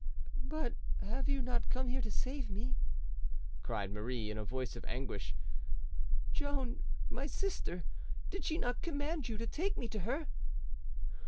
"But have you not come here to save me?" cried Marie in a voice of anguish. "Joan, my sister, did she not command you to take me to her?"